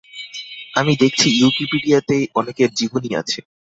আমি দেখছি উইকিপিডিয়াতে অনেকের জীবনী আছে।